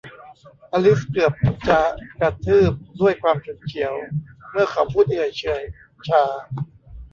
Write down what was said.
อลิซเกือบจะกระทืบด้วยความฉุนเฉียวเมื่อเขาพูดเอื่อยเฉื่อยชา